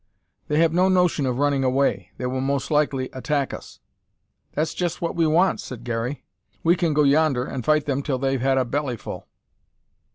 "They have no notion of running away. They will most likely attack us." "That's jest what we want," said Garey. "We kin go yonder, and fight them till they've had a bellyful."